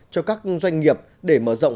cho các doanh nghiệp để mở rộng